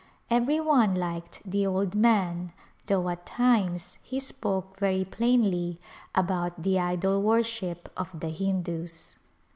Every one liked the old man though at times he spoke very plainly about the idol u^orship of the Hindus.